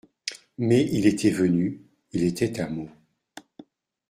Mais il était venu, il était à Meaux.